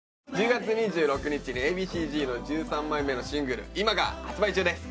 １０月２６日にＡ．Ｂ．Ｃ−Ｚの１３枚目のシングル『＃ＩＭＡ』が発売中です。